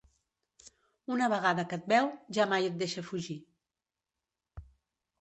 Una vegada que et veu, ja mai et deixa fugir.